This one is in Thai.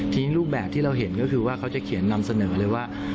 ทีนี้รูปแบบที่เราเห็นก็คือว่าเขาจะเขียนนำเสนอเลยว่า